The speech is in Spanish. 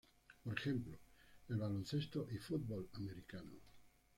Por ejemplo el baloncesto y futbol americano.